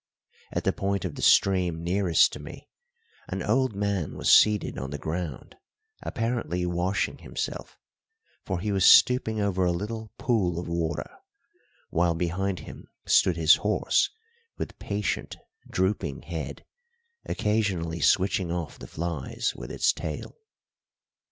At the point of the stream nearest to me an old man was seated on the ground, apparently washing himself, for he was stooping over a little pool of water, while behind him stood his horse with patient, drooping head, occasionally switching off the flies with its tail.